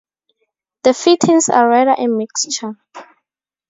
The fittings are rather a mixture.